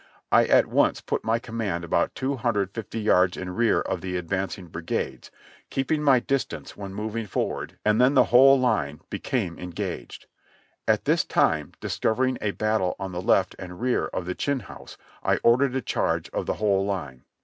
I at once put my command about 250 yards in rear of the advancing brigades, keeping my distance when moving forward, and then the whole line became engaged. At this time discovering a battery on the left and rear of the Chinn House, I ordered a charge of the whole line.